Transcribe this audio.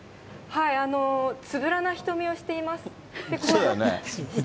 つぶらな瞳をしています。